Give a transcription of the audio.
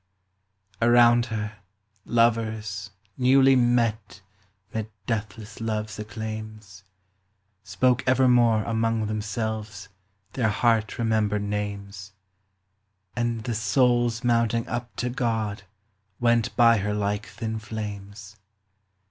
Around her, lovers, newly met 'Mid deathless love's acclaims, Spoke evermore among themselves Their heart remembered names ; And the souls mounting up to God Went by her like thin flames.